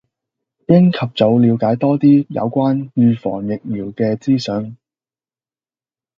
應及早暸解多啲有關預防疫苗嘅資訊